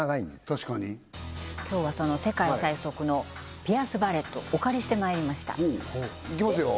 確かに今日はその世界最速のピアスバレットお借りしてまいりましたいきますよ